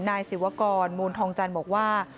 นายศิวกรมูลทองจันทร์บอกว่า